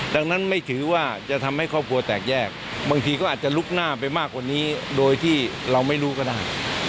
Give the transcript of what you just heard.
ดังนั้นไม่ถือว่าจะทำให้ครอบครัวแตกแยกบางทีก็อาจจะลุกหน้าไปมากกว่านี้โดยที่เราไม่รู้ก็ได้